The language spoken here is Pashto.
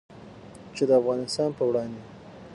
چې د افغانستان په وړاندې